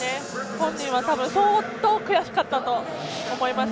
本人は相当悔しかったと思います。